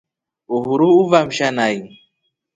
Uhuru avamsha nai.